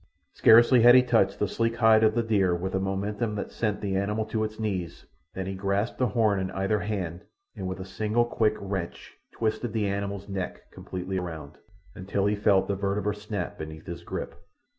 Scarcely had he touched the sleek hide of the deer with a momentum that sent the animal to its knees than he had grasped a horn in either hand, and with a single quick wrench twisted the animal's neck completely round, until he felt the vertebrae snap beneath his grip.